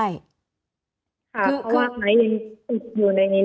แอนตาซินเยลโรคกระเพาะอาหารท้องอืดจุกเสียดแสบร้อน